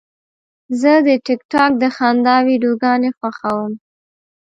زه د ټک ټاک د خندا ویډیوګانې خوښوم.